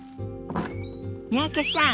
三宅さん